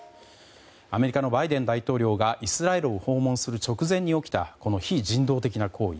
アメリカのバイデン大統領がイスラエルを訪問する直前に起きたこの非人道的な行為。